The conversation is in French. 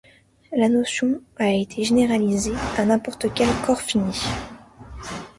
La notion a été généralisée à n'importe quel corps fini.